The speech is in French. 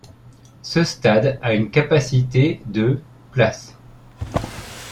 Ce stade a une capacité de places.